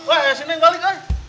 eh sini balik